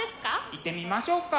いってみましょうか。